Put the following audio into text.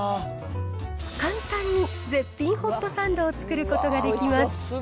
簡単に絶品ホットサンドを作ることができます。